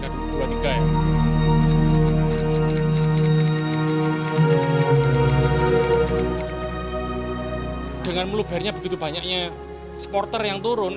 dengan melubarnya begitu banyaknya supporter yang turun